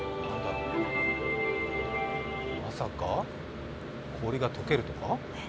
まさか、氷が解けるとか？